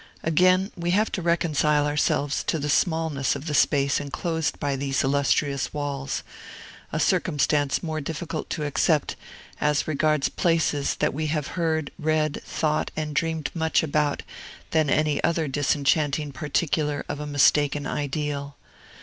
Again we have to reconcile ourselves to the smallness of the space enclosed by these illustrious walls, a circumstance more difficult to accept, as regards places that we have heard, read, thought, and dreamed much about, than any other disenchanting particular of a mistaken ideal.